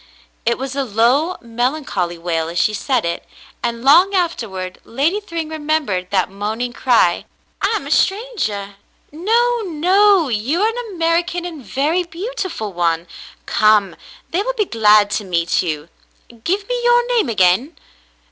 It was a low melancholy wail as she said it, and long afterward Lady Thryng remembered that moaning cry, "I am a strangah.'* "No, no. You are an American and a very beautiful one. Come, they will be glad to meet you. Give me your name again."